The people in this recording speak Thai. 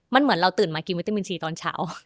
มันเหมือนเราตื่นมากินวิตามินชีตอนเช้า